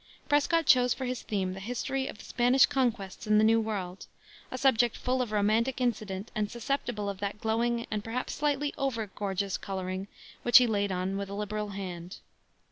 Prescott chose for his theme the history of the Spanish conquests in the New World, a subject full of romantic incident and susceptible of that glowing and perhaps slightly over gorgeous coloring which he laid on with a liberal hand.